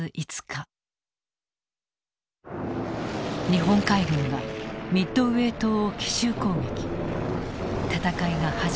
日本海軍がミッドウェー島を奇襲攻撃戦いが始まる。